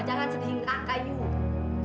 jangan sedihin kakak yuk